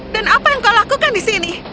dan apa yang kau lakukan disini